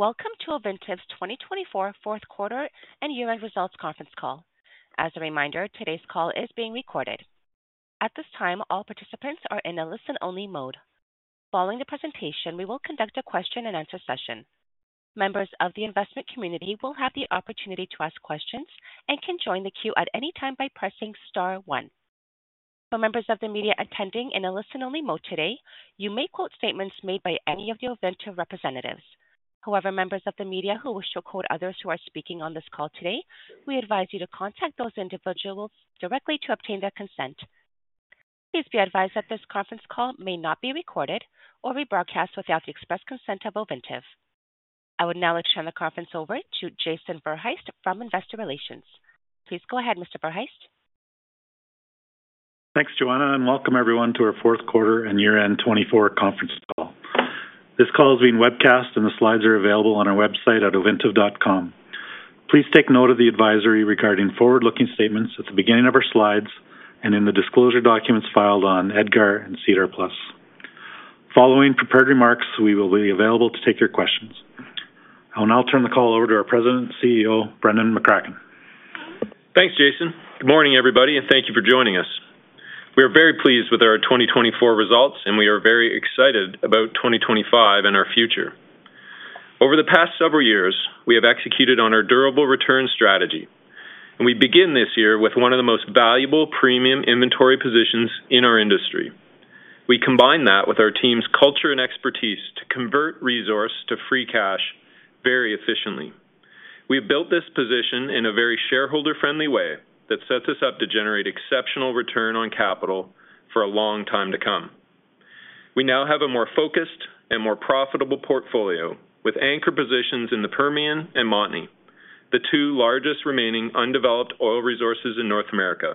Welcome to Ovintiv's 2024 Fourth Quarter and Year-End Results Conference call. As a reminder, today's call is being recorded. At this time, all participants are in a listen-only mode. Following the presentation, we will conduct a question-and-answer session. Members of the investment community will have the opportunity to ask questions and can join the queue at any time by pressing Star 1. For members of the media attending in a listen-only mode today, you may quote statements made by any of the Ovintiv representatives. However, members of the media who wish to quote others who are speaking on this call today, we advise you to contact those individuals directly to obtain their consent. Please be advised that this conference call may not be recorded or rebroadcast without the express consent of Ovintiv. I will now turn the conference over to Jason Verhaest from Investor Relations. Please go ahead, Mr. Verhaest. Thanks, Joanna, and welcome everyone to our Fourth Quarter and Year-End 2024 Conference Call. This call is being webcast, and the slides are available on our website at ovintiv.com. Please take note of the advisory regarding forward-looking statements at the beginning of our slides and in the disclosure documents filed on EDGAR and SEDAR+. Following prepared remarks, we will be available to take your questions. I will now turn the call over to our President and CEO, Brendan McCracken. Thanks, Jason. Good morning, everybody, and thank you for joining us. We are very pleased with our 2024 results, and we are very excited about 2025 and our future. Over the past several years, we have executed on our durable return strategy, and we begin this year with one of the most valuable premium inventory positions in our industry. We combine that with our team's culture and expertise to convert resource to free cash very efficiently. We have built this position in a very shareholder-friendly way that sets us up to generate exceptional return on capital for a long time to come. We now have a more focused and more profitable portfolio with anchor positions in the Permian and Montney, the two largest remaining undeveloped oil resources in North America.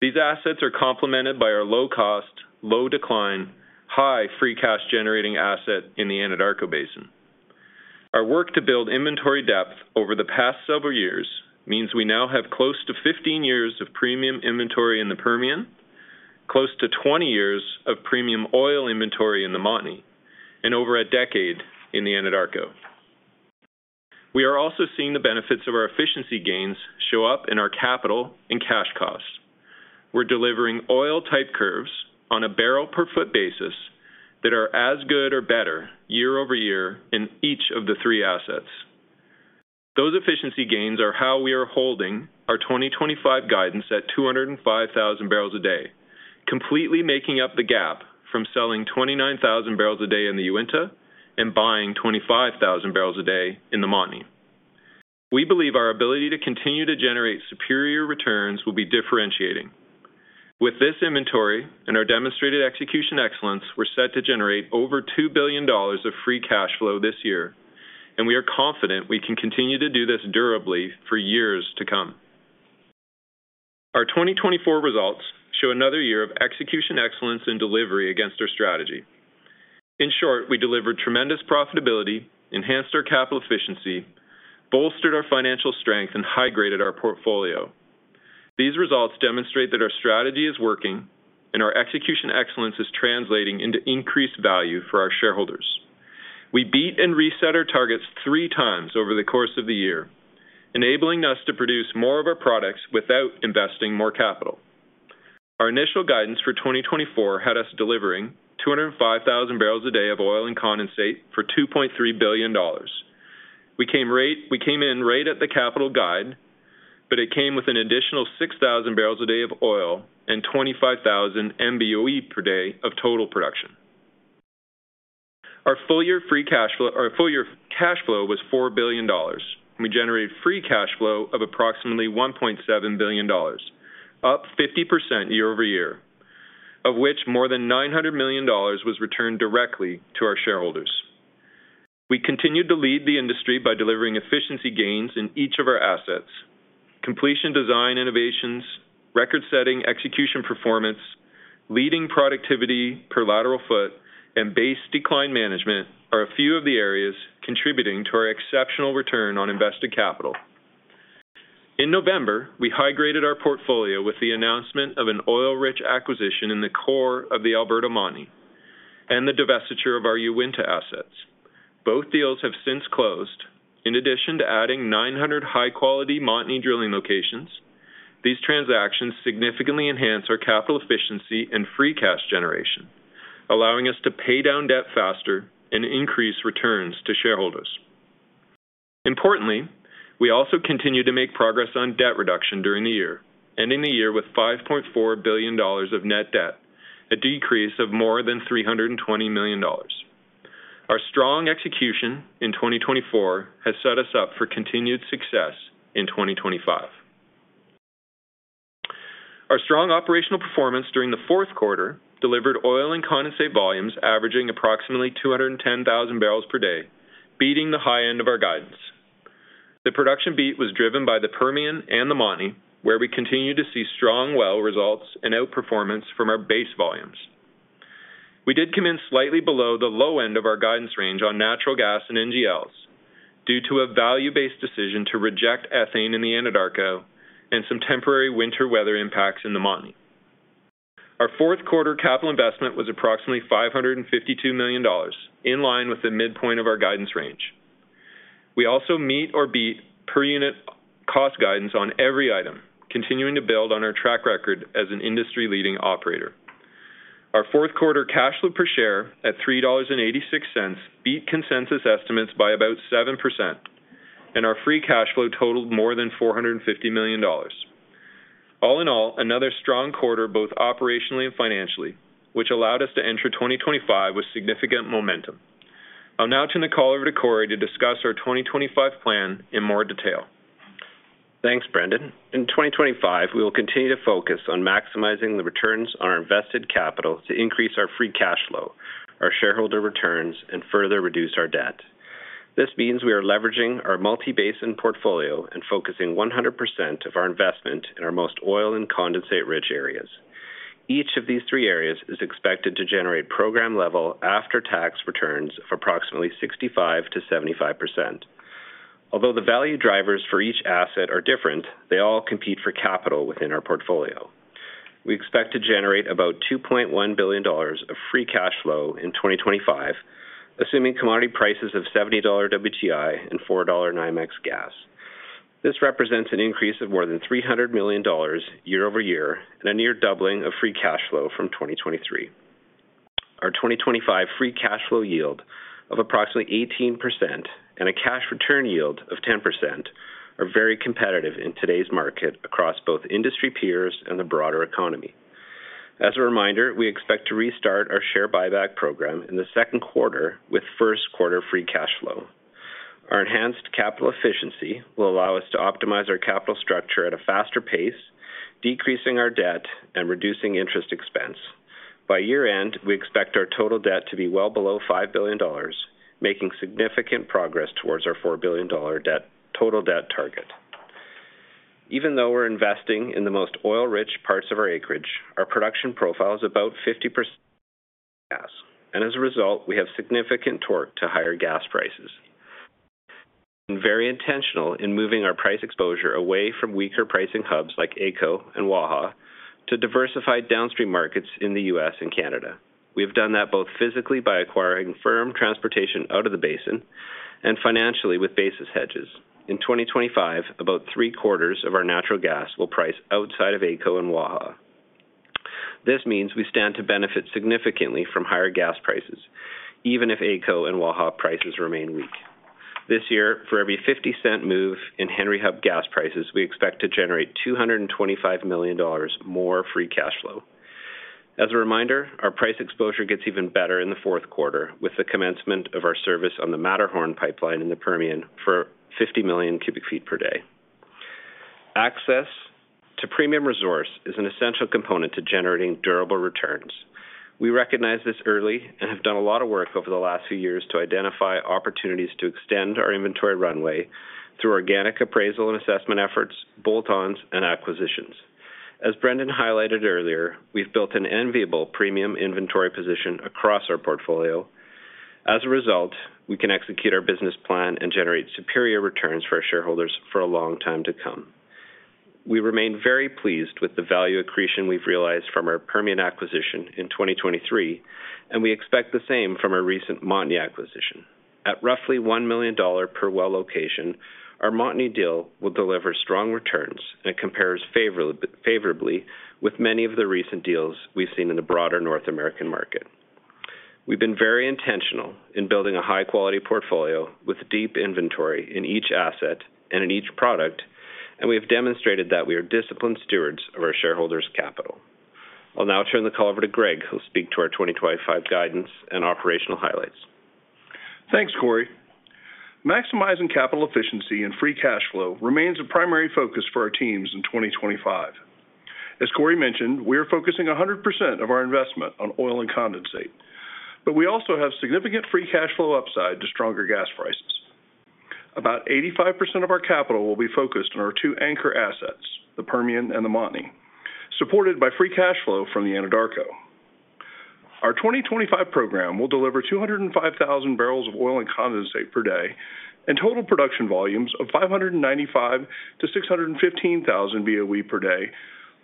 These assets are complemented by our low-cost, low-decline, high-free cash-generating asset in the Anadarko Basin. Our work to build inventory depth over the past several years means we now have close to 15 years of premium inventory in the Permian, close to 20 years of premium oil inventory in the Montney, and over a decade in the Anadarko. We are also seeing the benefits of our efficiency gains show up in our capital and cash costs. We're delivering oil-type curves on a barrel-per-foot basis that are as good or better year over year in each of the three assets. Those efficiency gains are how we are holding our 2025 guidance at 205,000 barrels a day, completely making up the gap from selling 29,000 barrels a day in the Uinta and buying 25,000 barrels a day in the Montney. We believe our ability to continue to generate superior returns will be differentiating. With this inventory and our demonstrated execution excellence, we're set to generate over $2 billion of free cash flow this year, and we are confident we can continue to do this durably for years to come. Our 2024 results show another year of execution excellence and delivery against our strategy. In short, we delivered tremendous profitability, enhanced our capital efficiency, bolstered our financial strength, and high-graded our portfolio. These results demonstrate that our strategy is working and our execution excellence is translating into increased value for our shareholders. We beat and reset our targets three times over the course of the year, enabling us to produce more of our products without investing more capital. Our initial guidance for 2024 had us delivering 205,000 barrels a day of oil and condensate for $2.3 billion. We came in right at the capital guide, but it came with an additional 6,000 barrels a day of oil and 25,000 MBOE/d of total production. Our full-year free cash flow was $4 billion. We generated free cash flow of approximately $1.7 billion, up 50% year over year, of which more than $900 million was returned directly to our shareholders. We continued to lead the industry by delivering efficiency gains in each of our assets. Completion design innovations, record-setting execution performance, leading productivity per lateral foot, and base decline management are a few of the areas contributing to our exceptional return on invested capital. In November, we high-graded our portfolio with the announcement of an oil-rich acquisition in the core of the Alberta Montney and the divestiture of our Uinta assets. Both deals have since closed. In addition to adding 900 high-quality Montney drilling locations, these transactions significantly enhance our capital efficiency and free cash generation, allowing us to pay down debt faster and increase returns to shareholders. Importantly, we also continue to make progress on debt reduction during the year, ending the year with $5.4 billion of net debt, a decrease of more than $320 million. Our strong execution in 2024 has set us up for continued success in 2025. Our strong operational performance during the fourth quarter delivered oil and condensate volumes averaging approximately 210,000 barrels per day, beating the high end of our guidance. The production beat was driven by the Permian and the Montney, where we continue to see strong well results and outperformance from our base volumes. We did come in slightly below the low end of our guidance range on natural gas and NGLs due to a value-based decision to reject ethane in the Anadarko and some temporary winter weather impacts in the Montney. Our fourth quarter capital investment was approximately $552 million, in line with the midpoint of our guidance range. We also meet or beat per-unit cost guidance on every item, continuing to build on our track record as an industry-leading operator. Our fourth quarter cash flow per share at $3.86 beat consensus estimates by about 7%, and our free cash flow totaled more than $450 million. All in all, another strong quarter both operationally and financially, which allowed us to enter 2025 with significant momentum. I'll now turn the call over to Corey to discuss our 2025 plan in more detail. Thanks, Brendan. In 2025, we will continue to focus on maximizing the returns on our invested capital to increase our free cash flow, our shareholder returns, and further reduce our debt. This means we are leveraging our multi-basin portfolio and focusing 100% of our investment in our most oil and condensate-rich areas. Each of these three areas is expected to generate program-level after-tax returns of approximately 65%-75%. Although the value drivers for each asset are different, they all compete for capital within our portfolio. We expect to generate about $2.1 billion of free cash flow in 2025, assuming commodity prices of $70 WTI and $4.9x gas. This represents an increase of more than $300 million year over year and a near doubling of free cash flow from 2023. Our 2025 free cash flow yield of approximately 18% and a cash return yield of 10% are very competitive in today's market across both industry peers and the broader economy. As a reminder, we expect to restart our share buyback program in the second quarter with first-quarter free cash flow. Our enhanced capital efficiency will allow us to optimize our capital structure at a faster pace, decreasing our debt and reducing interest expense. By year-end, we expect our total debt to be well below $5 billion, making significant progress towards our $4 billion total debt target. Even though we're investing in the most oil-rich parts of our acreage, our production profile is about 50% gas, and as a result, we have significant torque to higher gas prices. We've been very intentional in moving our price exposure away from weaker pricing hubs like AECO and Waha to diversified downstream markets in the U.S. and Canada. We have done that both physically by acquiring firm transportation out of the basin and financially with basis hedges. In 2025, about three-quarters of our natural gas will price outside of AECO and Waha. This means we stand to benefit significantly from higher gas prices, even if AECO and Waha prices remain weak. This year, for every 50-cent move in Henry Hub gas prices, we expect to generate $225 million more free cash flow. As a reminder, our price exposure gets even better in the fourth quarter with the commencement of our service on the Matterhorn pipeline in the Permian for 50 million cubic feet per day. Access to premium resource is an essential component to generating durable returns. We recognize this early and have done a lot of work over the last few years to identify opportunities to extend our inventory runway through organic appraisal and assessment efforts, bolt-ons, and acquisitions. As Brendan highlighted earlier, we've built an enviable premium inventory position across our portfolio. As a result, we can execute our business plan and generate superior returns for our shareholders for a long time to come. We remain very pleased with the value accretion we've realized from our Permian acquisition in 2023, and we expect the same from our recent Montney acquisition. At roughly $1 million per well location, our Montney deal will deliver strong returns and compares favorably with many of the recent deals we've seen in the broader North American market. We've been very intentional in building a high-quality portfolio with deep inventory in each asset and in each product, and we have demonstrated that we are disciplined stewards of our shareholders' capital. I'll now turn the call over to Greg, who will speak to our 2025 guidance and operational highlights. Thanks, Corey. Maximizing capital efficiency and free cash flow remains a primary focus for our teams in 2025. As Corey mentioned, we are focusing 100% of our investment on oil and condensate, but we also have significant free cash flow upside to stronger gas prices. About 85% of our capital will be focused on our two anchor assets, the Permian and the Montney, supported by free cash flow from the Anadarko. Our 2025 program will deliver 205,000 barrels of oil and condensate per day and total production volumes of 595,000-615,000 BOE per day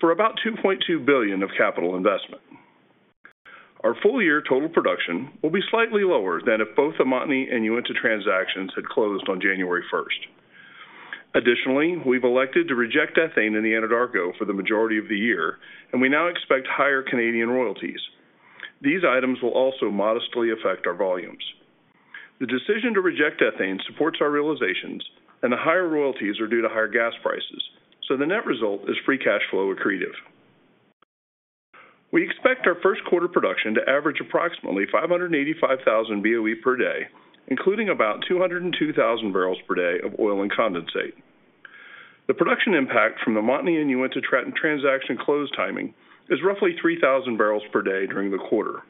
for about $2.2 billion of capital investment. Our full-year total production will be slightly lower than if both the Montney and Uinta transactions had closed on January 1st. Additionally, we've elected to reject ethane in the Anadarko for the majority of the year, and we now expect higher Canadian royalties. These items will also modestly affect our volumes. The decision to reject ethane supports our realizations, and the higher royalties are due to higher gas prices, so the net result is free cash flow accretive. We expect our first quarter production to average approximately 585,000 BOE per day, including about 202,000 barrels per day of oil and condensate. The production impact from the Montney and Uinta transaction close timing is roughly 3,000 barrels per day during the quarter.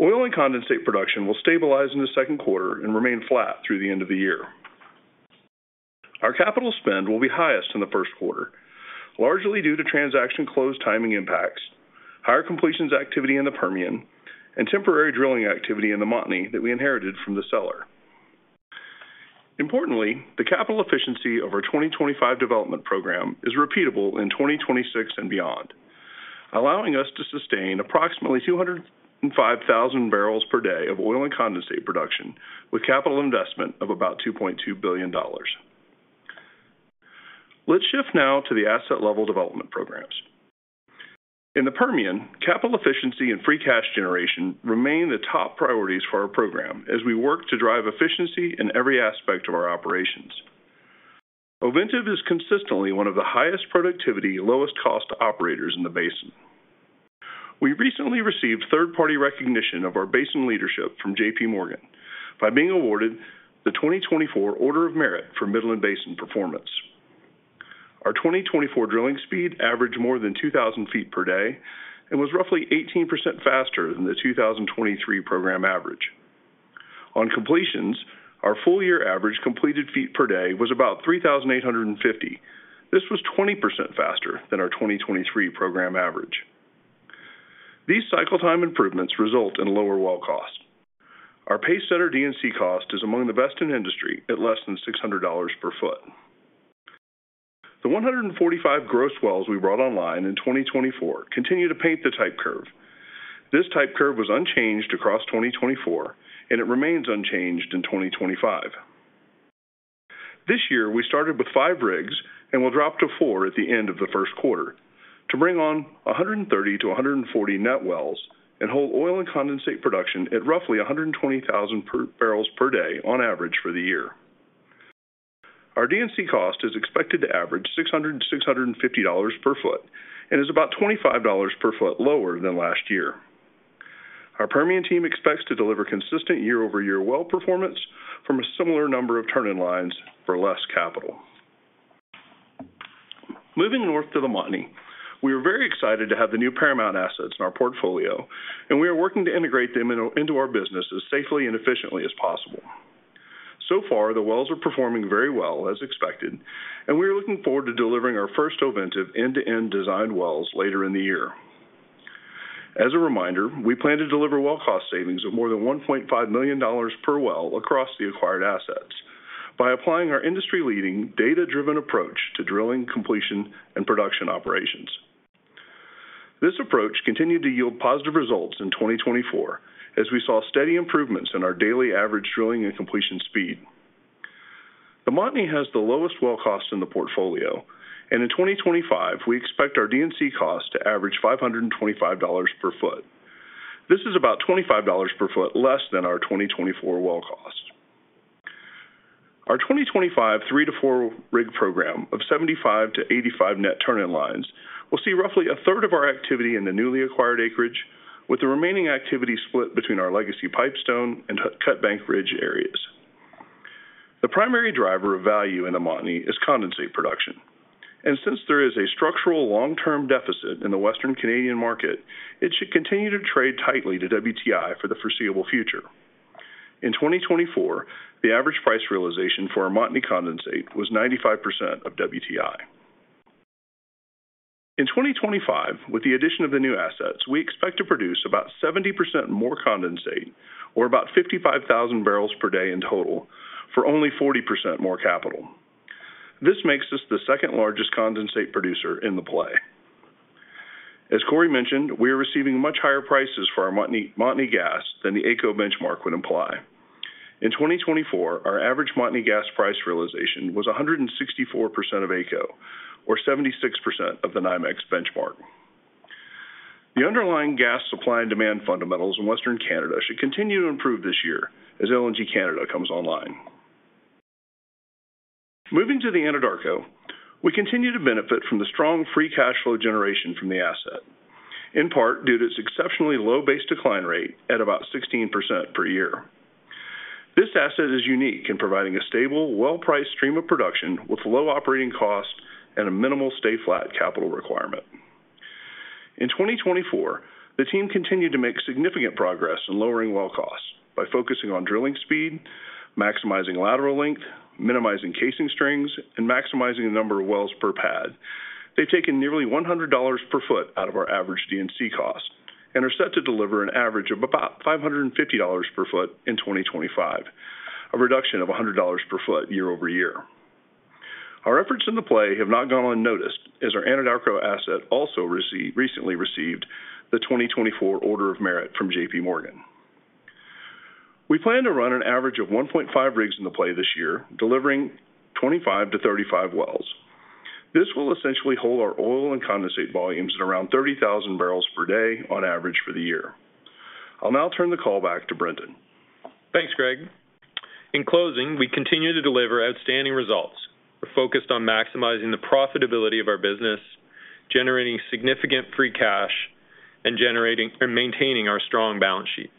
Oil and condensate production will stabilize in the second quarter and remain flat through the end of the year. Our capital spend will be highest in the first quarter, largely due to transaction close timing impacts, higher completions activity in the Permian, and temporary drilling activity in the Montney that we inherited from the seller. Importantly, the capital efficiency of our 2025 development program is repeatable in 2026 and beyond, allowing us to sustain approximately 205,000 barrels per day of oil and condensate production with capital investment of about $2.2 billion. Let's shift now to the asset-level development programs. In the Permian, capital efficiency and free cash generation remain the top priorities for our program as we work to drive efficiency in every aspect of our operations. Ovintiv is consistently one of the highest productivity, lowest cost operators in the basin. We recently received third-party recognition of our basin leadership from JPMorgan by being awarded the 2024 Order of Merit for Midland Basin performance. Our 2024 drilling speed averaged more than 2,000 feet per day and was roughly 18% faster than the 2023 program average. On completions, our full-year average completed feet per day was about 3,850. This was 20% faster than our 2023 program average. These cycle time improvements result in lower well cost. Our pace setter D&C cost is among the best in industry at less than $600 per foot. The 145 gross wells we brought online in 2024 continue to paint the type curve. This type curve was unchanged across 2024, and it remains unchanged in 2025. This year, we started with five rigs and will drop to four at the end of the first quarter to bring on 130-140 net wells and hold oil and condensate production at roughly 120,000 barrels per day on average for the year. Our D&C cost is expected to average $600-$650 per foot and is about $25 per foot lower than last year. Our Permian team expects to deliver consistent year-over-year well performance from a similar number of turn-in-lines for less capital. Moving north to the Montney, we are very excited to have the new Paramount assets in our portfolio, and we are working to integrate them into our business as safely and efficiently as possible. So far, the wells are performing very well as expected, and we are looking forward to delivering our first Ovintiv end-to-end designed wells later in the year. As a reminder, we plan to deliver well cost savings of more than $1.5 million per well across the acquired assets by applying our industry-leading data-driven approach to drilling, completion, and production operations. This approach continued to yield positive results in 2024 as we saw steady improvements in our daily average drilling and completion speed. The Montney has the lowest well cost in the portfolio, and in 2025, we expect our D&C cost to average $525 per foot. This is about $25 per foot less than our 2024 well cost. Our 2025 three-to-four rig program of 75 to 85 net turn-in-line will see roughly a third of our activity in the newly acquired acreage, with the remaining activity split between our legacy Pipestone and Cutbank Ridge areas. The primary driver of value in the Montney is condensate production, and since there is a structural long-term deficit in the Western Canadian market, it should continue to trade tightly to WTI for the foreseeable future. In 2024, the average price realization for our Montney condensate was 95% of WTI. In 2025, with the addition of the new assets, we expect to produce about 70% more condensate, or about 55,000 barrels per day in total, for only 40% more capital. This makes us the second largest condensate producer in the play. As Corey mentioned, we are receiving much higher prices for our Montney gas than the AECO benchmark would imply. In 2024, our average Montney gas price realization was 164% of AECO, or 76% of the NYMEX benchmark. The underlying gas supply and demand fundamentals in Western Canada should continue to improve this year as LNG Canada comes online. Moving to the Anadarko, we continue to benefit from the strong free cash flow generation from the asset, in part due to its exceptionally low base decline rate at about 16% per year. This asset is unique in providing a stable, well-priced stream of production with low operating costs and a minimal stay-flat capital requirement. In 2024, the team continued to make significant progress in lowering well costs by focusing on drilling speed, maximizing lateral length, minimizing casing strings, and maximizing the number of wells per pad. They've taken nearly $100 per foot out of our average D&C cost and are set to deliver an average of about $550 per foot in 2025, a reduction of $100 per foot year over year. Our efforts in the play have not gone unnoticed as our Anadarko asset also recently received the 2024 Order of Merit from JPMorgan. We plan to run an average of 1.5 rigs in the play this year, delivering 25-35 wells. This will essentially hold our oil and condensate volumes at around 30,000 barrels per day on average for the year. I'll now turn the call back to Brendan. Thanks, Greg. In closing, we continue to deliver outstanding results. We're focused on maximizing the profitability of our business, generating significant free cash, and maintaining our strong balance sheet.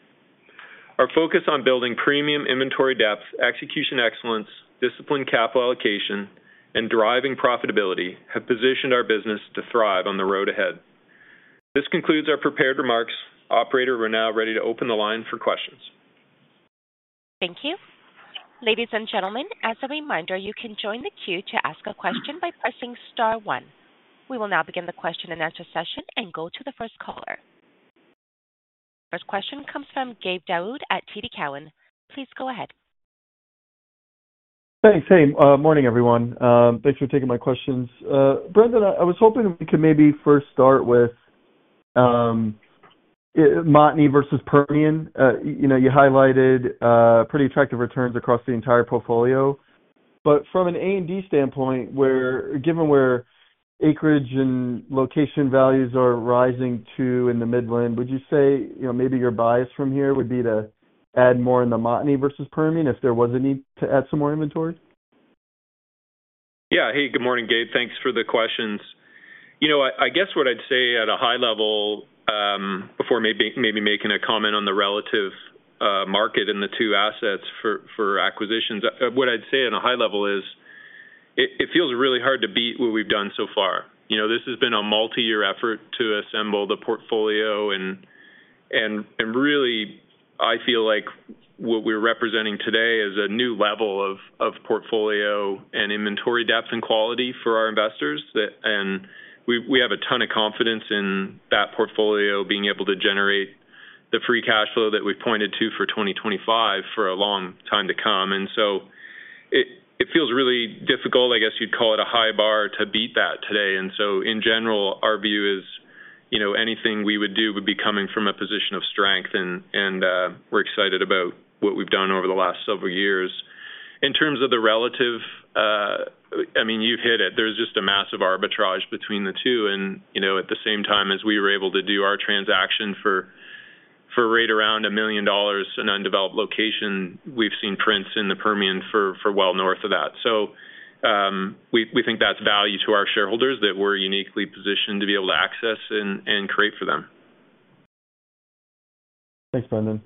Our focus on building premium inventory depth, execution excellence, disciplined capital allocation, and driving profitability have positioned our business to thrive on the road ahead. This concludes our prepared remarks. Operator, we're now ready to open the line for questions. Thank you. Ladies and gentlemen, as a reminder, you can join the queue to ask a question by pressing Star 1. We will now begin the question and answer session and go to the first caller. The first question comes from Gabe Daoud at TD Cowen. Please go ahead. Thanks, hey. Morning, everyone. Thanks for taking my questions. Brendan, I was hoping we could maybe first start with Montney versus Permian. You highlighted pretty attractive returns across the entire portfolio. But from an A&D standpoint, given where acreage and location values are rising too in the Midland, would you say maybe your bias from here would be to add more in the Montney versus Permian if there was a need to add some more inventory? Yeah. Hey, good morning, Gabe. Thanks for the questions. I guess what I'd say at a high level before maybe making a comment on the relative market in the two assets for acquisitions, what I'd say at a high level is it feels really hard to beat what we've done so far. This has been a multi-year effort to assemble the portfolio, and really, I feel like what we're representing today is a new level of portfolio and inventory depth and quality for our investors, and we have a ton of confidence in that portfolio being able to generate the free cash flow that we've pointed to for 2025 for a long time to come, and so it feels really difficult, I guess you'd call it a high bar, to beat that today. And so, in general, our view is anything we would do would be coming from a position of strength, and we're excited about what we've done over the last several years. In terms of the relative, I mean, you've hit it. There's just a massive arbitrage between the two. And at the same time as we were able to do our transaction for right around $1 million in undeveloped location, we've seen prints in the Permian for well north of that. So we think that's value to our shareholders that we're uniquely positioned to be able to access and create for them. Thanks, Brendan.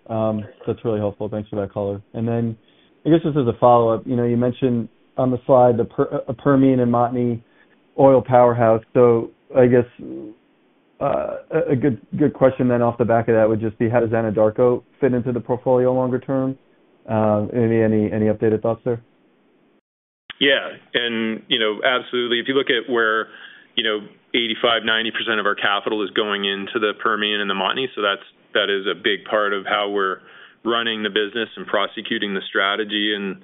That's really helpful. Thanks for that caller. And then I guess just as a follow-up, you mentioned on the slide a Permian and Montney oil powerhouse. So I guess a good question then off the back of that would just be, how does Anadarko fit into the portfolio longer term? Any updated thoughts, sir? Yeah. And absolutely. If you look at where 85%-90% of our capital is going into the Permian and the Montney, so that is a big part of how we're running the business and prosecuting the strategy. And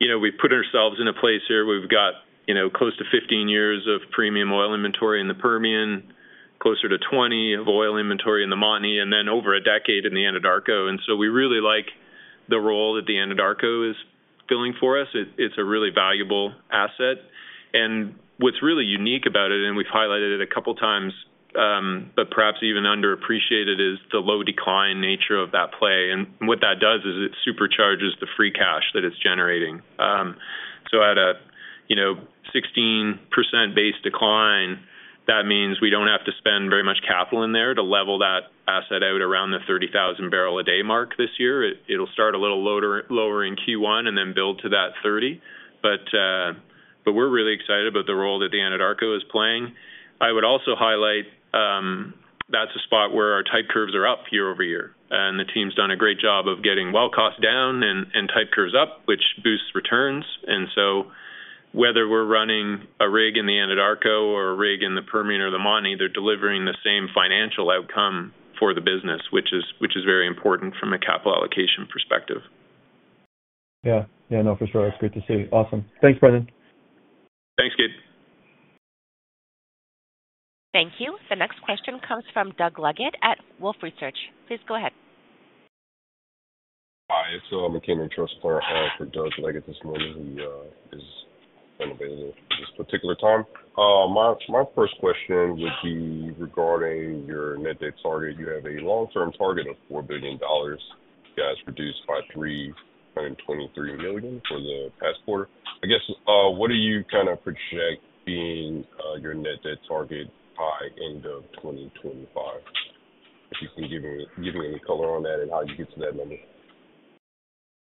we've put ourselves in a place here. We've got close to 15 years of premium oil inventory in the Permian, closer to 20 of oil inventory in the Montney, and then over a decade in the Anadarko. And so we really like the role that the Anadarko is filling for us. It's a really valuable asset. And what's really unique about it, and we've highlighted it a couple of times, but perhaps even underappreciated, is the low decline nature of that play. And what that does is it supercharges the free cash that it's generating. So at a 16% base decline, that means we don't have to spend very much capital in there to level that asset out around the 30,000 barrel a day mark this year. It'll start a little lower in Q1 and then build to that 30. But we're really excited about the role that the Anadarko is playing. I would also highlight that's a spot where our type curves are up year over year. And the team's done a great job of getting well cost down and type curves up, which boosts returns. And so whether we're running a rig in the Anadarko or a rig in the Permian or the Montney, they're delivering the same financial outcome for the business, which is very important from a capital allocation perspective. Yeah. Yeah. No, for sure. That's great to see. Awesome. Thanks, Brendan. Thanks, Gabe. Thank you. The next question comes from Doug Leggett at Wolfe Research. Please go ahead. Hi. So I'm a key interest player for Doug Leggett this morning. He is unavailable at this particular time. My first question would be regarding your net debt target. You have a long-term target of $4 billion. You guys reduced by $323 million for the past quarter. I guess what do you kind of project being your net debt target by end of 2025? If you can give me any color on that and how you get to that number.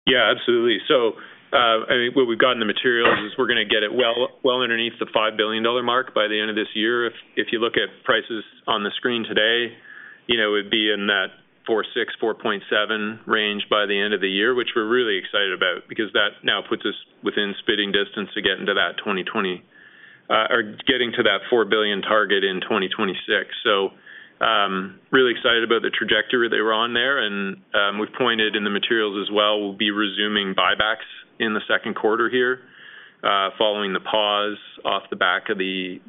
Yeah, absolutely. So I think what we've got in the materials is we're going to get it well underneath the $5 billion mark by the end of this year. If you look at prices on the screen today, it would be in that 4.6-4.7 range by the end of the year, which we're really excited about because that now puts us within spitting distance to getting to that $4 billion target in 2026. So really excited about the trajectory they were on there. And we've pointed in the materials as well, we'll be resuming buybacks in the second quarter here following the pause off the back of the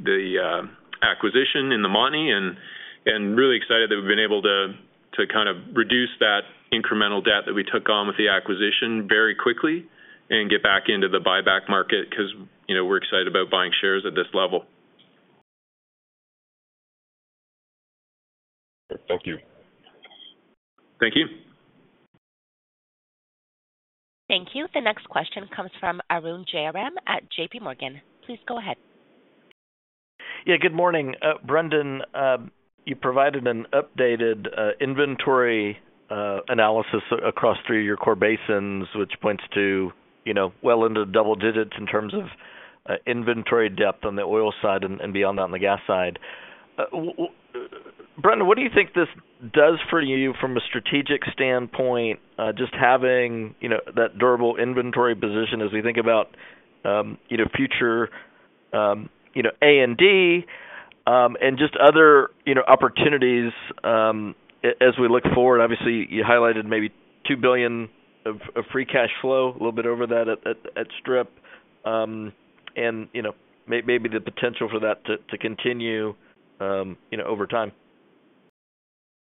acquisition in the Montney. Really excited that we've been able to kind of reduce that incremental debt that we took on with the acquisition very quickly and get back into the buyback market because we're excited about buying shares at this level. Thank you. Thank you. Thank you. The next question comes from Arun Jayaram at JPMorgan. Please go ahead. Yeah. Good morning. Brendan, you provided an updated inventory analysis across three of your core basins, which points to well into the double digits in terms of inventory depth on the oil side and beyond that on the gas side. Brendan, what do you think this does for you from a strategic standpoint, just having that durable inventory position as we think about future A&D and just other opportunities as we look forward? Obviously, you highlighted maybe $2 billion of free cash flow, a little bit over that at Strip. And maybe the potential for that to continue over time.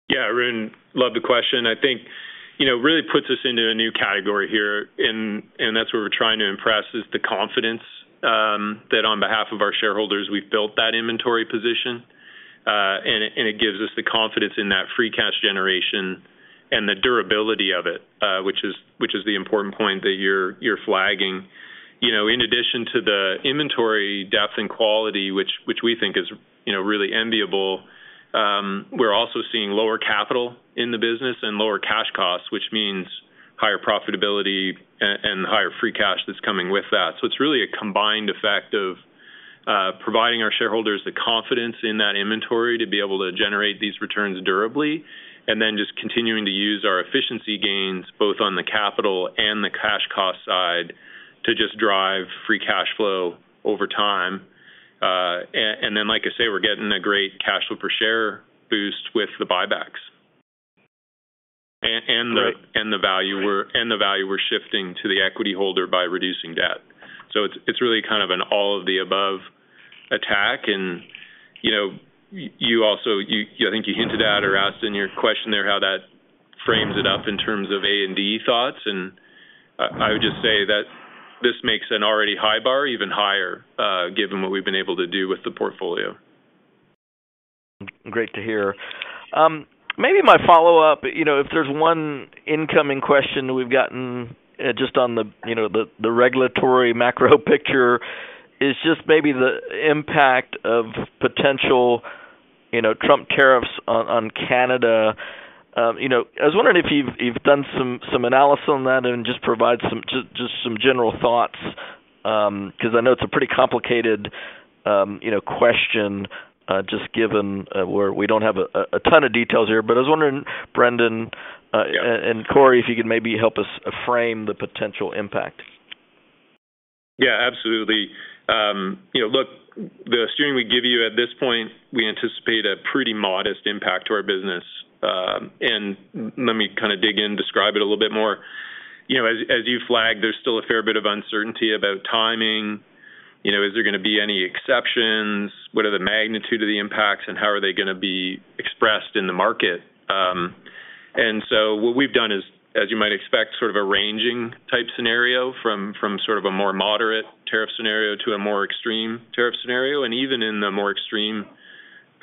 Yeah. Arun, love the question i think the confidence in that free cash generation and the durability of it, which is the important point that you're flagging. In addition to the inventory depth and quality, which we think is really enviable, we're also seeing lower capital in the business and lower cash costs, which means higher profitability and higher free cash that's coming with that, so it's really a combined effect of providing our shareholders the confidence in that inventory to be able to generate these returns durably, and then just continuing to use our efficiency gains both on the capital and the cash cost side to just drive free cash flow over time. And then, like I say, we're getting a great cash flow per share boost with the buybacks. And the value we're shifting to the equity holder by reducing debt. So it's really kind of an all of the above attack. And you also, I think you hinted at or asked in your question there how that frames it up in terms of A&D thoughts. And I would just say that this makes an already high bar even higher, given what we've been able to do with the portfolio. Great to hear. Maybe my follow-up, if there's one incoming question we've gotten just on the regulatory macro picture, is just maybe the impact of potential Trump tariffs on Canada. I was wondering if you've done some analysis on that and just provide just some general thoughts because I know it's a pretty complicated question just given where we don't have a ton of details here. But I was wondering, Brendan and Corey, if you could maybe help us frame the potential impact. Yeah, absolutely. Look, the assumption we give you at this point, we anticipate a pretty modest impact to our business. And let me kind of dig in, describe it a little bit more. As you flagged, there's still a fair bit of uncertainty about timing. Is there going to be any exceptions? What are the magnitude of the impacts, and how are they going to be expressed in the market? And so what we've done is, as you might expect, sort of a ranging type scenario from sort of a more moderate tariff scenario to a more extreme tariff scenario. And even in the more extreme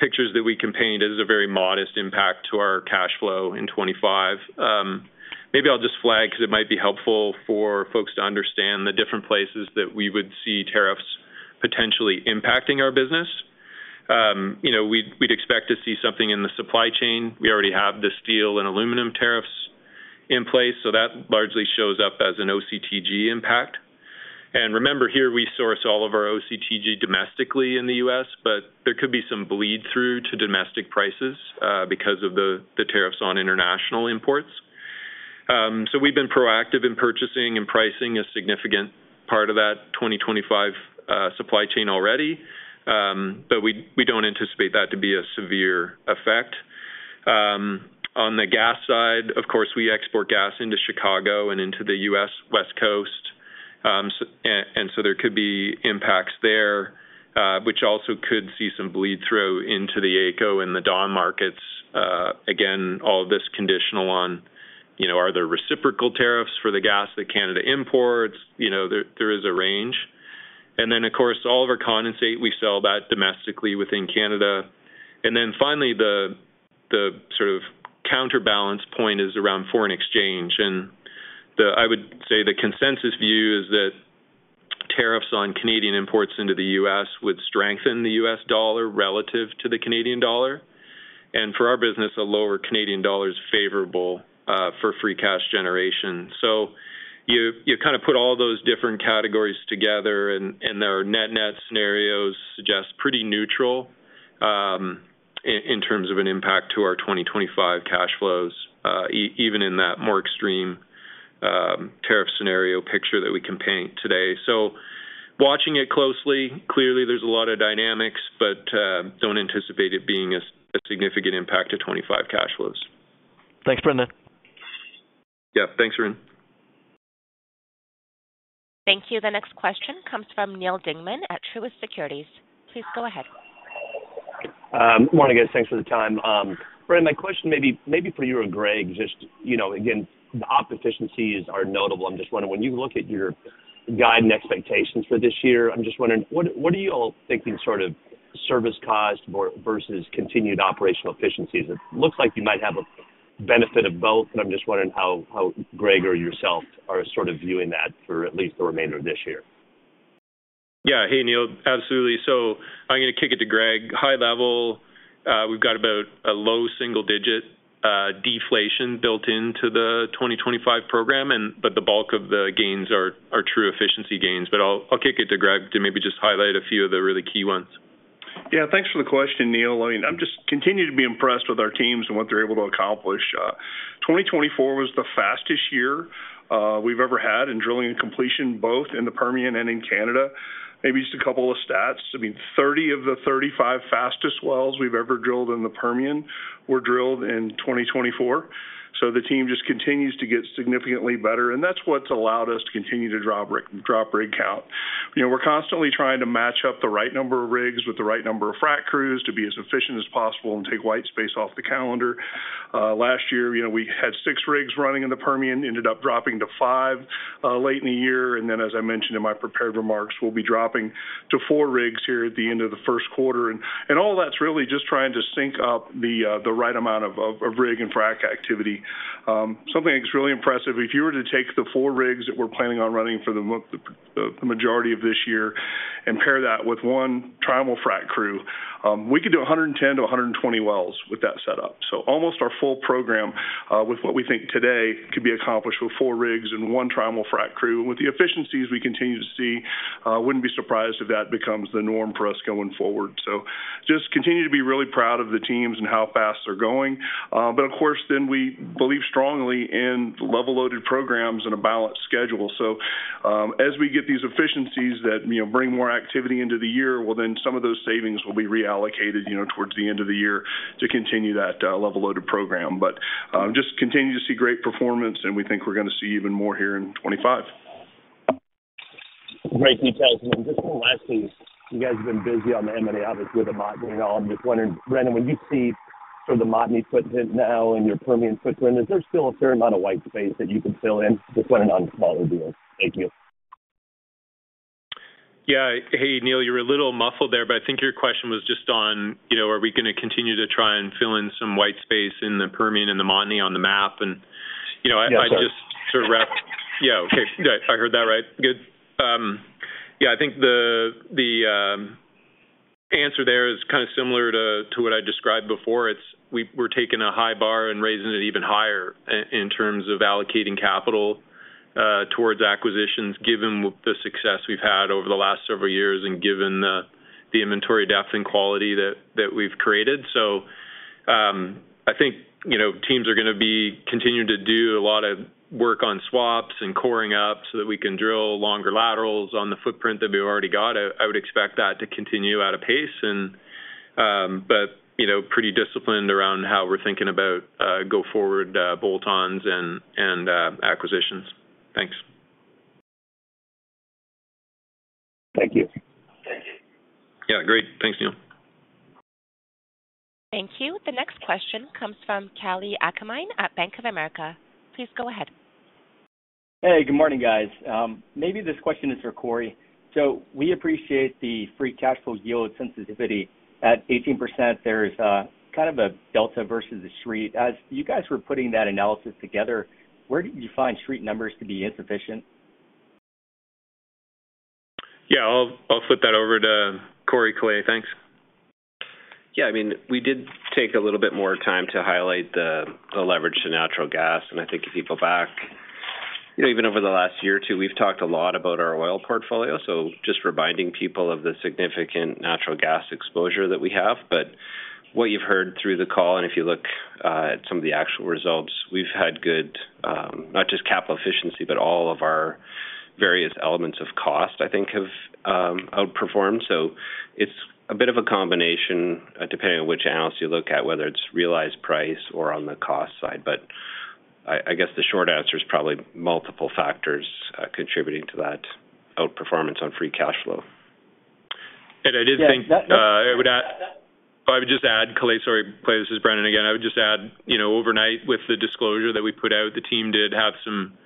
pictures that we can paint, it is a very modest impact to our cash flow in 2025. Maybe I'll just flag because it might be helpful for folks to understand the different places that we would see tariffs potentially impacting our business. We'd expect to see something in the supply chain. We already have the steel and aluminum tariffs in place. So that largely shows up as an OCTG impact. And remember, here we source all of our OCTG domestically in the U.S., but there could be some bleed-through to domestic prices because of the tariffs on international imports. So we've been proactive in purchasing and pricing a significant part of that 2025 supply chain already, but we don't anticipate that to be a severe effect. On the gas side, of course, we export gas into Chicago and into the U.S. West Coast. And so there could be impacts there, which also could see some bleed-through into the AECO and the Dawn markets. Again, all of this conditional on, are there reciprocal tariffs for the gas that Canada imports? There is a range. And then, of course, all of our condensate, we sell that domestically within Canada. And then finally, the sort of counterbalance point is around foreign exchange. And I would say the consensus view is that tariffs on Canadian imports into the U.S. would strengthen the U.S. dollar relative to the Canadian dollar. And for our business, a lower Canadian dollar is favorable for free cash generation. So you kind of put all those different categories together, and our net-nets scenarios suggest pretty neutral in terms of an impact to our 2025 cash flows, even in that more extreme tariff scenario picture that we can paint today. So watching it closely, clearly, there's a lot of dynamics, but don't anticipate it being a significant impact to 2025 cash flows. Thanks, Brendan. Yeah. Thanks, Arun. Thank you. The next question comes from Neil Dingman at Truist Securities. Please go ahead. Morning, guys. Thanks for the time. Brendan, my question maybe for you or Greg, just again, the op efficiencies are notable. I'm just wondering, when you look at your guide and expectations for this year, I'm just wondering, what are you all thinking sort of service cost versus continued operational efficiencies? It looks like you might have a benefit of both, but I'm just wondering how Greg or yourself are sort of viewing that for at least the remainder of this year. Yeah. Hey, Neil. Absolutely. So I'm going to kick it to Greg. High level, we've got about a low single-digit deflation built into the 2025 program, but the bulk of the gains are true efficiency gains. But I'll kick it to Greg to maybe just highlight a few of the really key ones. Yeah. Thanks for the question, Neil. I mean, I'm just continuing to be impressed with our teams and what they're able to accomplish. 2024 was the fastest year we've ever had in drilling and completion, both in the Permian and in Canada. Maybe just a couple of stats. I mean, 30 of the 35 fastest wells we've ever drilled in the Permian were drilled in 2024. So the team just continues to get significantly better. And that's what's allowed us to continue to drop rig count. We're constantly trying to match up the right number of rigs with the right number of frack crews to be as efficient as possible and take white space off the calendar. Last year, we had six rigs running in the Permian, ended up dropping to five late in the year. And then, as I mentioned in my prepared remarks, we'll be dropping to four rigs here at the end of the first quarter. And all of that's really just trying to sync up the right amount of rig and frac activity. Something that's really impressive, if you were to take the four rigs that we're planning on running for the majority of this year and pair that with one Trimul-Frac crew, we could do 110 to 120 wells with that setup. So almost our full program with what we think today could be accomplished with four rigs and one Trimul-Frac crew. And with the efficiencies we continue to see, I wouldn't be surprised if that becomes the norm for us going forward. So just continue to be really proud of the teams and how fast they're going. But of course, then we believe strongly in level loaded programs and a balanced schedule. So as we get these efficiencies that bring more activity into the year, well, then some of those savings will be reallocated towards the end of the year to continue that level loaded program. But just continue to see great performance, and we think we're going to see even more here in 2025. Great details. Just one last piece. You guys have been busy on the M&A obviously with the Montney. I'm just wondering, Brendan, when you see sort of the Montney footprint now and your Permian footprint, is there still a fair amount of white space that you could fill in? Just wanted on smaller deals. Thank you. Yeah. Hey, Neil, you're a little muffled there, but I think your question was just on, are we going to continue to try and fill in some white space in the Permian and the Montney on the map? And I just sort of wrapped. Yeah. Yeah. Okay. I heard that right. Good. Yeah. I think the answer there is kind of similar to what I described before. We're taking a high bar and raising it even higher in terms of allocating capital towards acquisitions, given the success we've had over the last several years and given the inventory depth and quality that we've created. So I think teams are going to be continuing to do a lot of work on swaps and coring up so that we can drill longer laterals on the footprint that we've already got. I would expect that to continue at a pace, but pretty disciplined around how we're thinking about go forward bolt-ons and acquisitions. Thanks. Thank you. Thank you. Yeah. Great. Thanks, Neil. Thank you. The next question comes from Kalei Akamine at Bank of America. Please go ahead. Hey, good morning, guys. Maybe this question is for Corey. So we appreciate the free cash flow yield sensitivity at 18%. There's kind of a delta versus the street. As you guys were putting that analysis together, where did you find street numbers to be insufficient? Yeah. I'll flip that over to Corey Code. Thanks. Yeah. I mean, we did take a little bit more time to highlight the leverage to natural gas. And I think if you go back, even over the last year or two, we've talked a lot about our oil portfolio. So just reminding people of the significant natural gas exposure that we have. But what you've heard through the call, and if you look at some of the actual results, we've had good, not just capital efficiency, but all of our various elements of cost, I think, have outperformed. So it's a bit of a combination depending on which analyst you look at, whether it's realized price or on the cost side. But I guess the short answer is probably multiple factors contributing to that outperformance on free cash flow. I did think. Yeah. That's fine. I would just add, Kalei. Sorry, Kalei, this is Brendan again. I would just add, overnight with the disclosure that we put out, the team did have some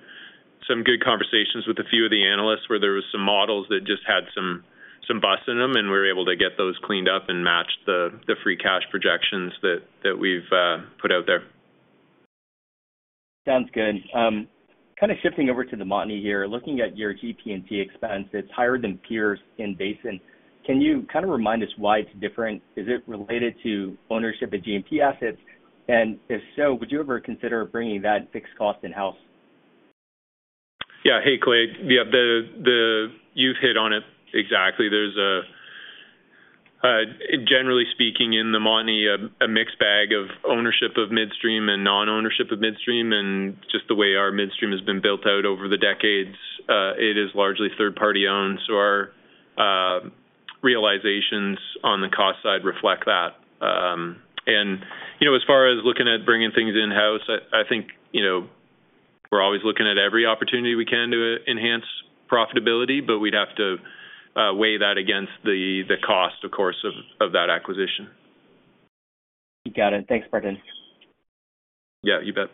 good conversations with a few of the analysts where there were some models that just had some bust in them, and we were able to get those cleaned up and match the free cash projections that we've put out there. Sounds good. Kind of shifting over to the Montney here, looking at your GP&T expense, it's higher than Permian Basin. Can you kind of remind us why it's different? Is it related to ownership of G&P assets? And if so, would you ever consider bringing that fixed cost in-house? Yeah. Hey, Kalei, you've hit on it exactly. There's, generally speaking, in the Montney, a mixed bag of ownership of midstream and non-ownership of midstream. And just the way our midstream has been built out over the decades, it is largely third-party owned. So our realizations on the cost side reflect that. And as far as looking at bringing things in-house, I think we're always looking at every opportunity we can to enhance profitability, but we'd have to weigh that against the cost, of course, of that acquisition. You got it. Thanks, Brendan. Yeah, you bet.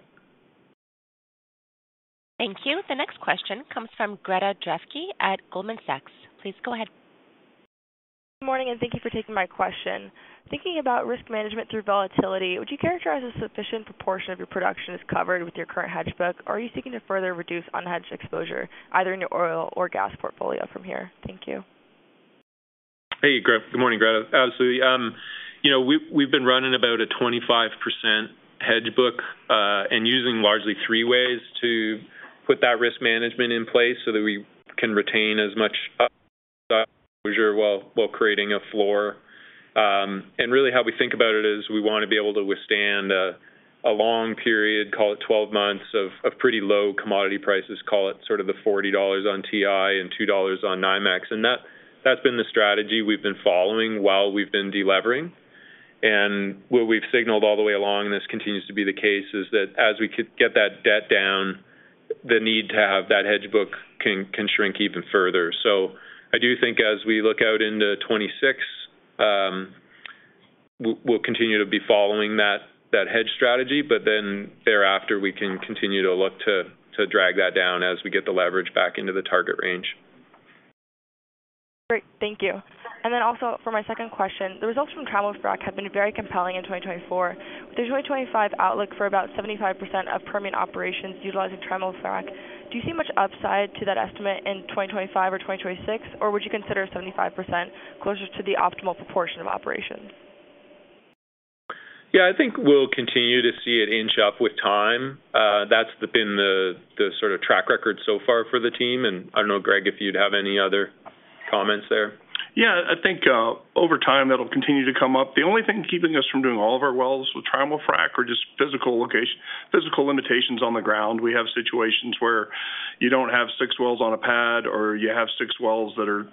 Thank you. The next question comes from Greta Drevsky at Goldman Sachs. Please go ahead. Good morning, and thank you for taking my question. Thinking about risk management through volatility, would you characterize a sufficient proportion of your production as covered with your current hedge book, or are you seeking to further reduce unhedged exposure either in your oil or gas portfolio from here? Thank you. Hey, good morning, Greta. Absolutely. We've been running about a 25% hedge book and using largely three ways to put that risk management in place so that we can retain as much exposure while creating a floor. And really, how we think about it is we want to be able to withstand a long period, call it 12 months, of pretty low commodity prices, call it sort of the $40 on WTI and $2 on NYMEX. And that's been the strategy we've been following while we've been delevering. And what we've signaled all the way along, and this continues to be the case, is that as we get that debt down, the need to have that hedge book can shrink even further. I do think as we look out into 2026, we'll continue to be following that hedge strategy, but then thereafter, we can continue to look to drag that down as we get the leverage back into the target range. Great. Thank you. And then also for my second question, the results from Trimul-Frac have been very compelling in 2024. With the 2025 outlook for about 75% of Permian operations utilizing Trimul-Frac, do you see much upside to that estimate in 2025 or 2026, or would you consider 75% closer to the optimal proportion of operations? Yeah. I think we'll continue to see it inch up with time. That's been the sort of track record so far for the team. And I don't know, Greg, if you'd have any other comments there. Yeah. I think over time, that'll continue to come up. The only thing keeping us from doing all of our wells with Trimul-Frac are just physical limitations on the ground. We have situations where you don't have six wells on a pad, or you have six wells that are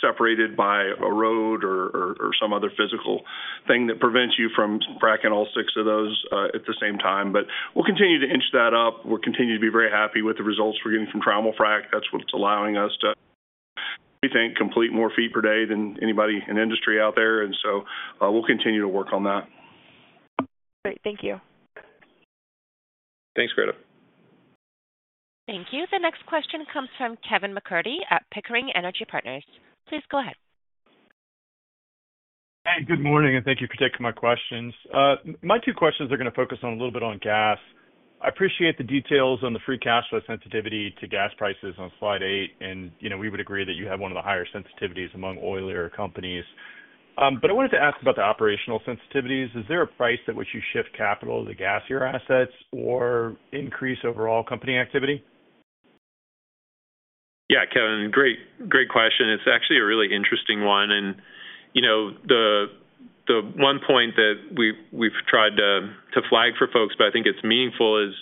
separated by a road or some other physical thing that prevents you from fracking all six of those at the same time. But we'll continue to inch that up. We'll continue to be very happy with the results we're getting from Trimul-Frac. That's what's allowing us to, we think, complete more feet per day than anybody in industry out there. And so we'll continue to work on that. Great. Thank you. Thanks, Greta. Thank you. The next question comes from Kevin MacCurdy at Pickering Energy Partners. Please go ahead. Hey, good morning, and thank you for taking my questions. My two questions are going to focus a little bit on gas. I appreciate the details on the free cash flow sensitivity to gas prices on slide eight, and we would agree that you have one of the higher sensitivities among oilier companies. But I wanted to ask about the operational sensitivities. Is there a price at which you shift capital to gasier assets or increase overall company activity? Yeah, Kevin, great question. It's actually a really interesting one. And the one point that we've tried to flag for folks, but I think it's meaningful, is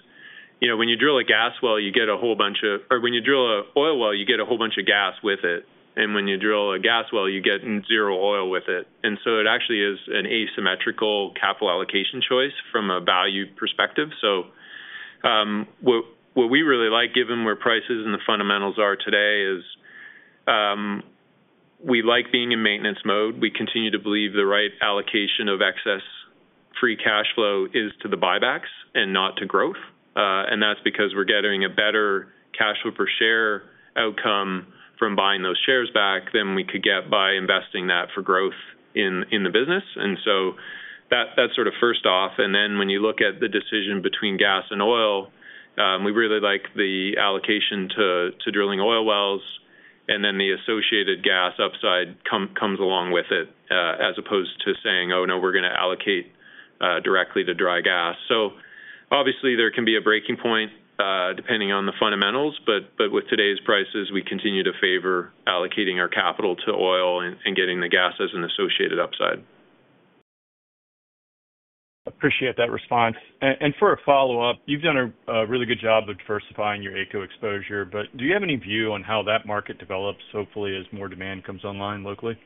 when you drill a gas well, you get a whole bunch of, or when you drill an oil well, you get a whole bunch of gas with it. And when you drill a gas well, you get zero oil with it. And so it actually is an asymmetrical capital allocation choice from a value perspective. So what we really like, given where prices and the fundamentals are today, is we like being in maintenance mode. We continue to believe the right allocation of excess free cash flow is to the buybacks and not to growth. And that's because we're getting a better cash flow per share outcome from buying those shares back than we could get by investing that for growth in the business. And so that's sort of first off. And then when you look at the decision between gas and oil, we really like the allocation to drilling oil wells, and then the associated gas upside comes along with it as opposed to saying, "Oh, no, we're going to allocate directly to dry gas." So obviously, there can be a breaking point depending on the fundamentals, but with today's prices, we continue to favor allocating our capital to oil and getting the gas as an associated upside. Appreciate that response. And for a follow-up, you've done a really good job of diversifying your AECO exposure, but do you have any view on how that market develops, hopefully, as more demand comes online locally?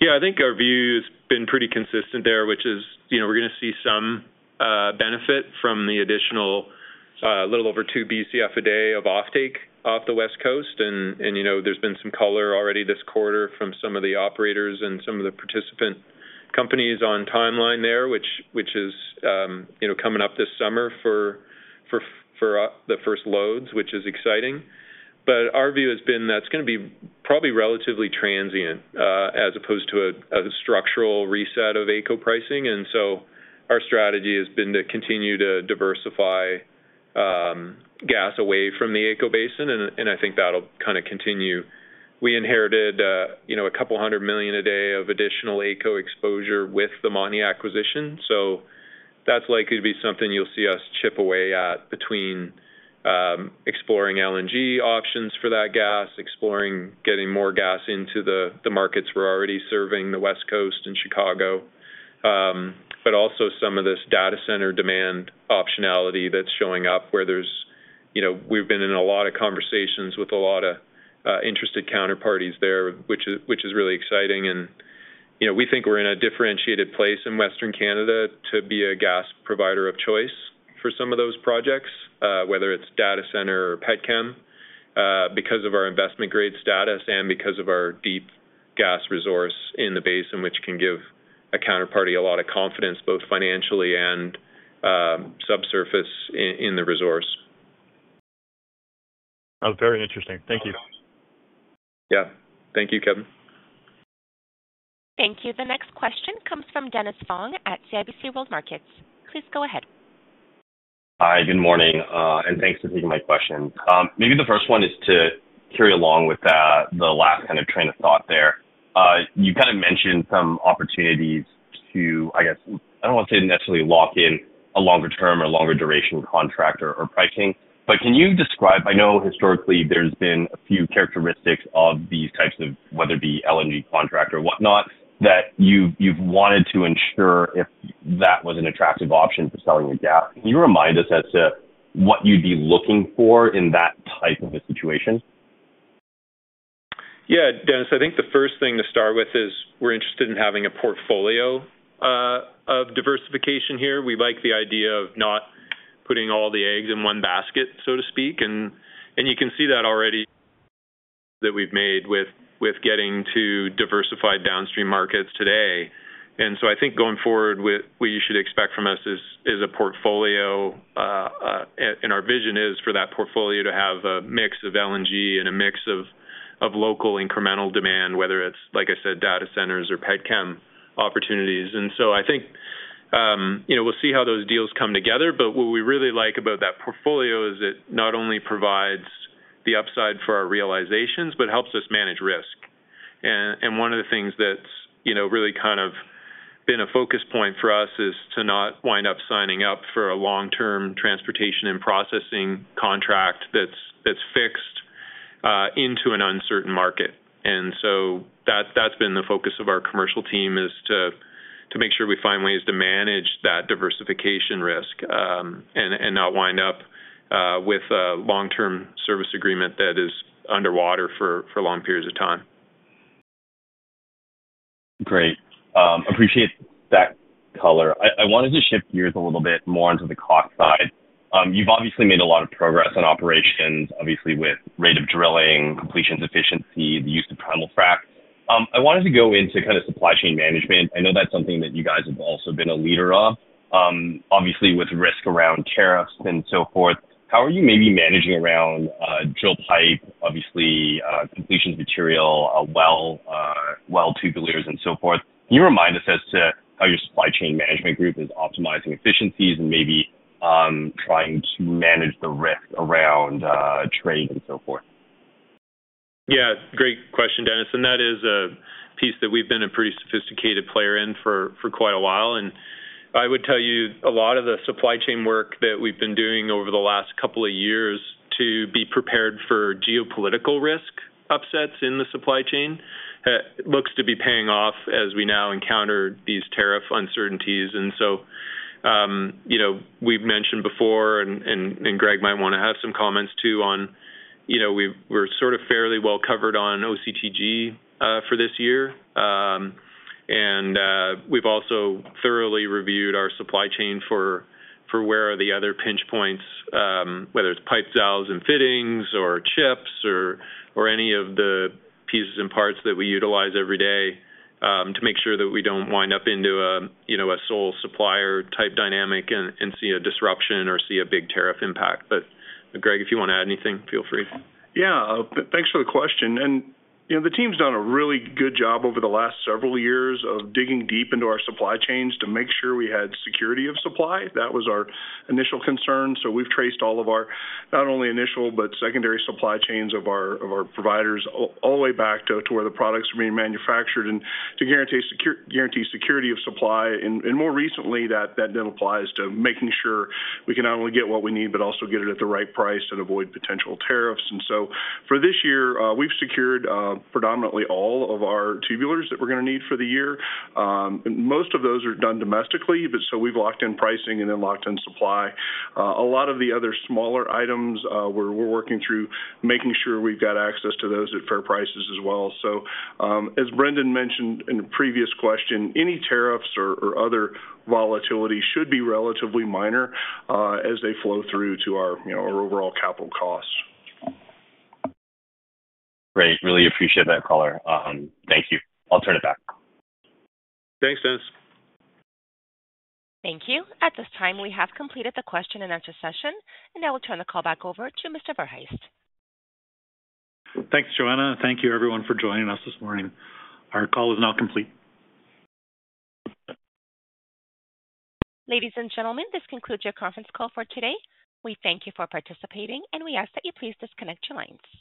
Yeah. I think our view has been pretty consistent there, which is we're going to see some benefit from the additional little over 2 BCF/d of offtake off the West Coast. And there's been some color already this quarter from some of the operators and some of the participant companies on timeline there, which is coming up this summer for the first loads, which is exciting. But our view has been that's going to be probably relatively transient as opposed to a structural reset of AECO pricing. And so our strategy has been to continue to diversify gas away from the AECO basin, and I think that'll kind of continue. We inherited a couple hundred million a day of additional AECO exposure with the Montney acquisition. So that's likely to be something you'll see us chip away at between exploring LNG options for that gas, exploring getting more gas into the markets we're already serving, the West Coast and Chicago, but also some of this data center demand optionality that's showing up where we've been in a lot of conversations with a lot of interested counterparties there, which is really exciting. And we think we're in a differentiated place in Western Canada to be a gas provider of choice for some of those projects, whether it's data center or petchem, because of our investment-grade status and because of our deep gas resource in the basin, which can give a counterparty a lot of confidence both financially and subsurface in the resource. That was very interesting. Thank you. Yeah. Thank you, Kevin. Thank you. The next question comes from Dennis Fong at CIBC World Markets. Please go ahead. Hi, good morning, and thanks for taking my question. Maybe the first one is to carry along with the last kind of train of thought there. You kind of mentioned some opportunities to, I guess, I don't want to say necessarily lock in a longer-term or longer-duration contract or pricing, but can you describe, I know historically there's been a few characteristics of these types of, whether it be LNG contract or whatnot, that you've wanted to ensure if that was an attractive option for selling the gas. Can you remind us as to what you'd be looking for in that type of a situation? Yeah, Dennis. I think the first thing to start with is we're interested in having a portfolio of diversification here. We like the idea of not putting all the eggs in one basket, so to speak. And you can see that already we've made with getting to diversified downstream markets today. And so I think going forward, what you should expect from us is a portfolio, and our vision is for that portfolio to have a mix of LNG and a mix of local incremental demand, whether it's, like I said, data centers or petchem opportunities. And so I think we'll see how those deals come together, but what we really like about that portfolio is it not only provides the upside for our realizations, but helps us manage risk. One of the things that's really kind of been a focus point for us is to not wind up signing up for a long-term transportation and processing contract that's fixed into an uncertain market. That's been the focus of our commercial team, to make sure we find ways to manage that diversification risk and not wind up with a long-term service agreement that is underwater for long periods of time. Great. Appreciate that color. I wanted to shift gears a little bit more into the cost side. You've obviously made a lot of progress on operations, obviously with rate of drilling, completion efficiency, the use of Trimul-Frac. I wanted to go into kind of supply chain management. I know that's something that you guys have also been a leader of, obviously with risk around tariffs and so forth. How are you maybe managing around drill pipe, obviously completion material, well, well tubulars, and so forth? Can you remind us as to how your supply chain management group is optimizing efficiencies and maybe trying to manage the risk around trade and so forth? Yeah, great question, Dennis. And that is a piece that we've been a pretty sophisticated player in for quite a while. And I would tell you a lot of the supply chain work that we've been doing over the last couple of years to be prepared for geopolitical risk upsets in the supply chain looks to be paying off as we now encounter these tariff uncertainties. And so we've mentioned before, and Greg might want to have some comments too, on, we're sort of fairly well covered on OCTG for this year. And we've also thoroughly reviewed our supply chain for where are the other pinch points, whether it's pipes, valves, and fittings, or chips, or any of the pieces and parts that we utilize every day to make sure that we don't wind up into a sole supplier type dynamic and see a disruption or see a big tariff impact. But Greg, if you want to add anything, feel free. Yeah, thanks for the question. The team's done a really good job over the last several years of digging deep into our supply chains to make sure we had security of supply. That was our initial concern. We've traced all of our not only initial, but secondary supply chains of our providers all the way back to where the products are being manufactured and to guarantee security of supply. More recently, that then applies to making sure we can not only get what we need, but also get it at the right price and avoid potential tariffs. For this year, we've secured predominantly all of our tubulars that we're going to need for the year. Most of those are done domestically, but we've locked in pricing and then locked in supply. A lot of the other smaller items, we're working through making sure we've got access to those at fair prices as well. So as Brendan mentioned in a previous question, any tariffs or other volatility should be relatively minor as they flow through to our overall capital costs. Great. Really appreciate that color. Thank you. I'll turn it back. Thanks, Dennis. Thank you. At this time, we have completed the question-and-answer session, and I will turn the call back over to Mr. Verhaest. Thanks, Joanna. Thank you, everyone, for joining us this morning. Our call is now complete. Ladies and gentlemen, this concludes your conference call for today. We thank you for participating, and we ask that you please disconnect your lines.